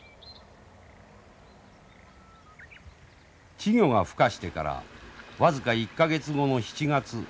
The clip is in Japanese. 稚魚が孵化してから僅か１か月後の７月。